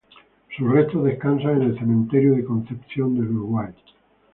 Sus restos descansan en el Cementerio de Concepción del Uruguay.